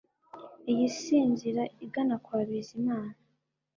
Iyi si inzira igana kwa Bizimana